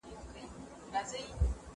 زه اوس د کتابتون پاکوالی کوم!؟